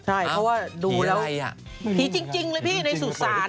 ใช่เพราะว่าดูแล้วผีจริงเลยพี่ในสุสาน